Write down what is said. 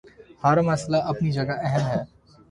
ہر مسئلہ اپنی جگہ اہم ہے۔